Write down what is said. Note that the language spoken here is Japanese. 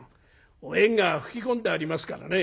お縁側拭き込んでありますからね。